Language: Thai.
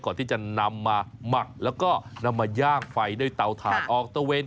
ก่อนที่จะนำมาหมักแล้วก็นำมาย่างไฟด้วยเตาถ่านออกตะเวน